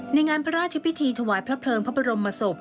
ในงานพระราชพิธีถวายพระเพลิงพระบรมศพ